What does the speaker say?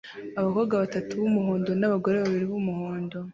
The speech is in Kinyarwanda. Abakobwa batatu b'umuhondo n'abagore babiri b'umuhondo